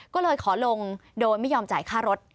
ก็เลยขอลงโดยไม่ยอมจ่ายค่ารถ